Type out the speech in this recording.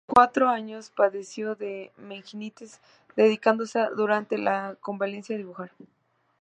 A los cuatro años padeció de meningitis dedicándose durante la convalecencia a dibujar.